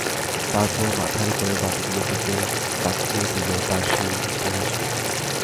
তারপর মাথার ওপরের বাতিগুলোর দিকে তাকিয়ে দিল তার সেই মিষ্টি হাসিটি।